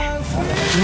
yang bersih ya